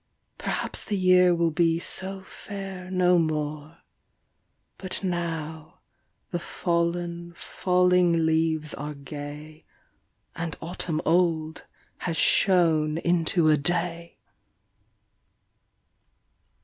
Perhaps the year will be so fair no more, But now the fallen, falling leaves are gay, And autumn old has shone into a Day!